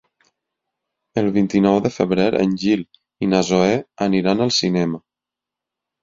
El vint-i-nou de febrer en Gil i na Zoè aniran al cinema.